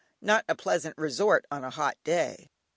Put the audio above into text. Not a pleasant resort on a hot day.